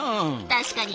確かに。